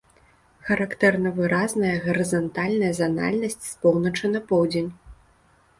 Характэрна выразная гарызантальная занальнасць з поўначы на поўдзень.